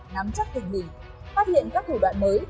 nắm chắc tình hình phát hiện các thủ đoạn mới